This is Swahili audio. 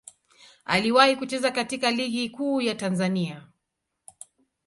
Waliwahi kucheza katika Ligi Kuu ya Tanzania.